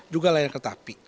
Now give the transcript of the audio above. juga layan ketapi